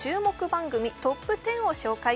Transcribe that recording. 番組トップ１０を紹介